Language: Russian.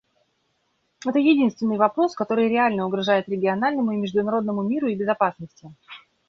Это единственный вопрос, который реально угрожает региональному и международному миру и безопасности.